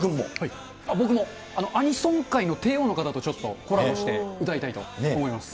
僕もアニソン界の帝王の方と、ちょっとコラボして歌いたいと思います。